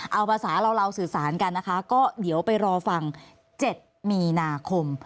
เอาภาษาเราสื่อสารกันนะคะก็เดี๋ยวไปรอฟัง๗มีนาคม